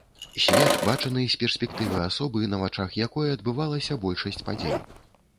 Свет, бачаны з перспектывы асобы, на вачах якой адбывалася большасць падзей.